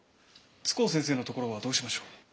都甲先生のところはどうしましょう？